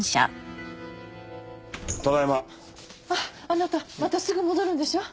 あなたまたすぐ戻るんでしょ。